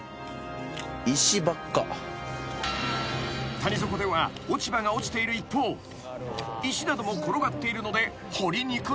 ［谷底では落ち葉が落ちている一方石なども転がっているので掘りにくい］